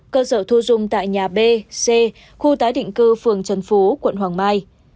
cơ sở thu dung tại nhà b c khu tái định cư phường trần phú quận hoàng mai